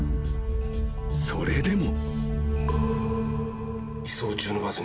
それでも］